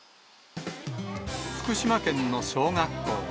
福島県の小学校。